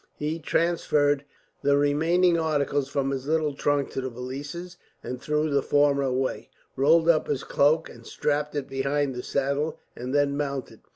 He transferred the remaining articles from the little trunk to the valises, and threw the former away; rolled up his cloak and strapped it behind the saddle; and then mounted.